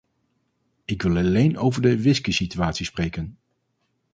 Ik wil alleen over de whiskysituatie spreken.